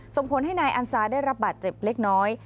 ส่งผลให้นายอันซาได้รับบาดเจ็บเล็กน้อย